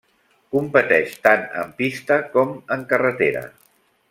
Competeix tant en pista com en carretera.